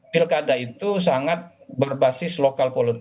pilkada itu sangat berbasis lokal politik